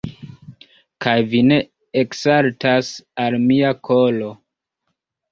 Kaj vi ne eksaltas al mia kolo!